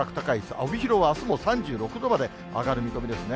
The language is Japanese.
帯広はあすも３６度まで上がる見込みですね。